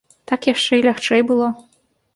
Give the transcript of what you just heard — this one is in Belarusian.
Так яшчэ і лягчэй было.